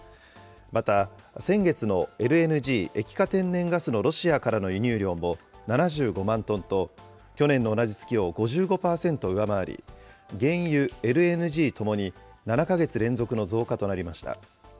また、先月のＬＮＧ・液化天然ガスのロシアからの輸入量も７５万トンと、去年の同じ月を５５％上回り、原油、ＬＮＧともに７か月連続の増加となりました。